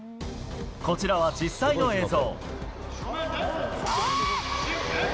こちらは実際の映像。